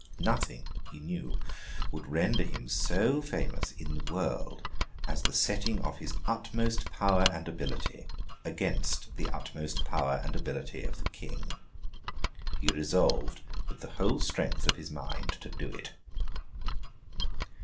Nothing, he knew, would render him so famous in the world, as the setting of his utmost power and ability against the utmost power and ability of the King. He resolved with the whole strength of his mind to do it.